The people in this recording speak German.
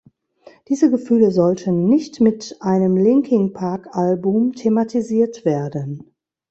Diese Gefühle sollten nicht mit einem Linkin-Park-Album thematisiert werden.